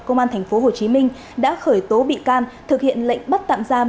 công an tp hcm đã khởi tố bị can thực hiện lệnh bắt tạm giam